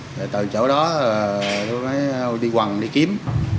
để từ chỗ đó tôi mới đi quần đi kiếm